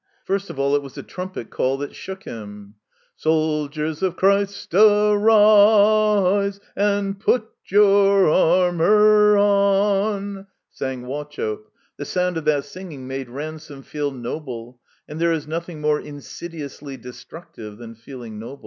First of all it was a trumpet call that shook him. " Sold ier ers o of Christ I a arise, And put your armor on," sang Wauchope. The sotmd of that singing made Ransome feel noble; and there is nothing more in sidiously destructive than feeUng noble.